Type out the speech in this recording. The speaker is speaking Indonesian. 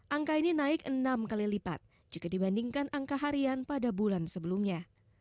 angka ini naik enam kali lipat jika dibandingkan angka harian pada bulan sebelumnya